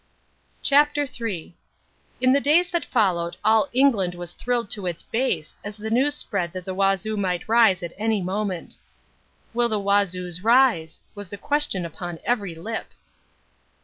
CHAPTER III In the days that followed all England was thrilled to its base as the news spread that the Wazoo might rise at any moment. "Will the Wazoos rise?" was the question upon every lip.